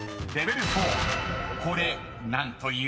［これ何という？］